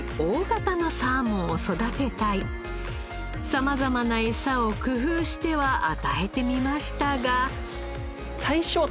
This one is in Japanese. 様々なエサを工夫しては与えてみましたが。